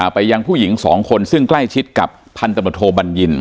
ไปยังผู้หญิงสองคนซึ่งใกล้ชิดกับพันธบทโทบัญญิน